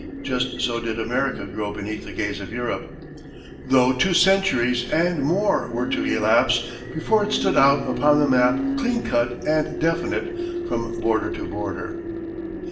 Just so did America grow beneath the gaze of Europe, though two centuries and more were to elapse before it stood out upon the map clean cut and definite from border to border.